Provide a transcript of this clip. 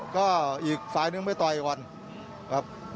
ก็อีกฝ่ายนึงไม่ต่อยก่อนครับ